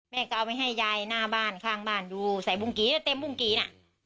ก็เอาไปให้ยายหน้าบ้านข้างบ้านดูใส่บุ้งกี่แล้วเต็มบุ้งกี่น่ะ